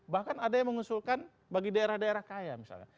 bahkan ada yang mengusulkan bagi daerah daerah kaya misalnya